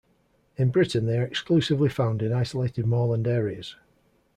In Britain they are exclusively found in isolated moorland areas.